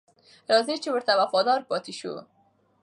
راځئ چې ورته وفادار پاتې شو.